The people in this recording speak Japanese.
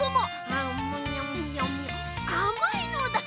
あまいのだ。